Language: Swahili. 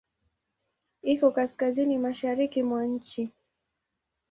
Iko Kaskazini mashariki mwa nchi.